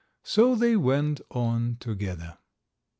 So they went on together.